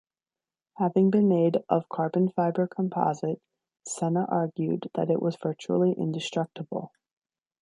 Having been made of carbon fibre composite, Senna argued that it was virtually indestructible.